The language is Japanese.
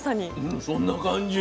うんそんな感じ。